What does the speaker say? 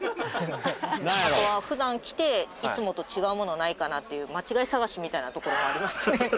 あとは普段来ていつもと違うものないかなっていう間違い探しみたいなところがありますね